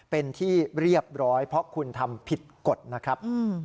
เป็นที่เรียบร้อยเพราะคุณทำผิดกฎนะครับ